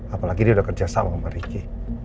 apalagi dia udah kerja sama sama riki